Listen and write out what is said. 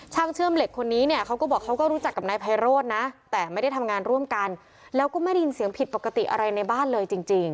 ช่างเชื่อมเหล็กคนนี้เนี่ยเขาก็บอกเขาก็รู้จักกับนายไพโรธนะแต่ไม่ได้ทำงานร่วมกันแล้วก็ไม่ได้ยินเสียงผิดปกติอะไรในบ้านเลยจริง